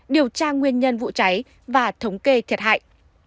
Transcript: điều tra nguyên nhân vụ cháy và thống kê thiệt hại